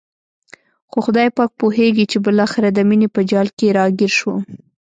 خو خدای پاک پوهېږي چې بالاخره د مینې په جال کې را ګیر شوم.